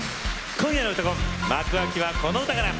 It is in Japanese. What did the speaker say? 今夜の「うたコン」幕開きはこの歌から。